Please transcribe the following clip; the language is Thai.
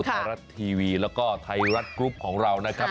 ไทยรัฐทีวีแล้วก็ไทยรัฐกรุ๊ปของเรานะครับ